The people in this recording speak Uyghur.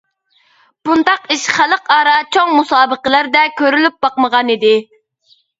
بۇنداق ئىش خەلقئارا چوڭ مۇسابىقىلەردە كۆرۈلۈپ باقمىغانىدى.